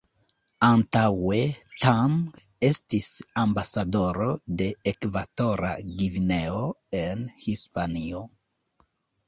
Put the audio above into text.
Antaŭe Tang estis ambasadoro de Ekvatora Gvineo en Hispanio.